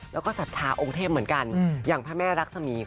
แล้วก็ศรัทธาองค์เทพเหมือนกันอย่างพระแม่รักษมี